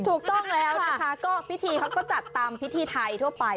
ถูกต้องแล้วนะคะก็พิธีเขาก็จัดตามพิธีไทยทั่วไป